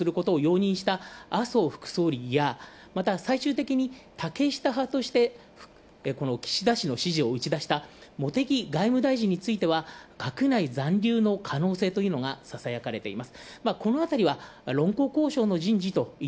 このほか、派閥の半分をこの岸田氏支持とすることを容認した麻生副総理や、また最終的にこの岸田氏の支持を打ち出した茂木外務大臣については残留の可能性というのがささやかれています。